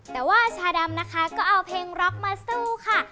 แต่ว่าชาดำนะคะก็เอาเพลงร็อกมาสู้ค่ะ